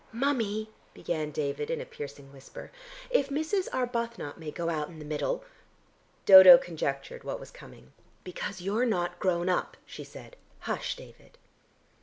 "Mummy," began David in a piercing whisper. "If Mrs. Arbuthnot may go out in the middle " Dodo conjectured what was coming. "Because you're not grown up," she said. "Hush, David."